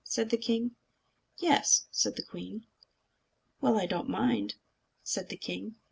said the king. "Yes," said the queen. "Well, I don't mind," said the king.